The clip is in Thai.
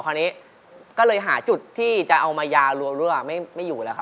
คราวนี้ก็เลยหาจุดที่จะเอามายารัวไม่อยู่แล้วครับ